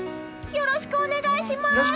よろしくお願いします！